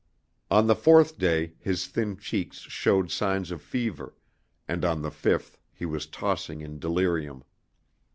On the fourth day his thin cheeks showed signs of fever, and on the fifth he was tossing in delirium.